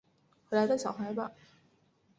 回来带小孩吧